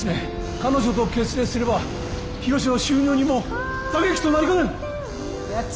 彼女と決裂すればヒロシの収入にも打撃となりかねん。